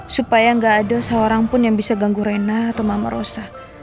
supaya nggak ada seorang pun yang bisa ganggu rena atau mama rosa